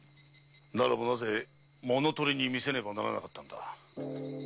ならばなぜ物盗りに見せねばならなかったんだ？